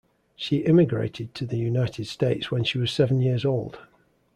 She immigrated to the United States when she was seven years old.